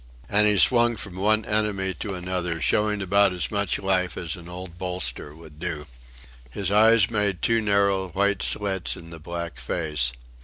And he swung from one enemy to another, showing about as much life as an old bolster would do. His eyes made two narrow white slits in the black face.